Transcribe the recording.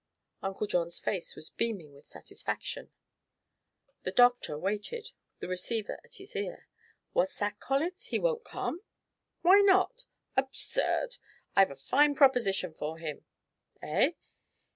Uncle John's face was beaming with satisfaction. The doctor waited, the receiver at his ear. "What's that, Collins?... He won't come?... Why not?... Absurd!... I've a fine proposition for him.... Eh?